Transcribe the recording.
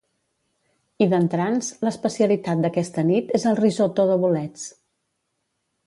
I d'entrants, l'especialitat d'aquesta nit és el risotto de bolets.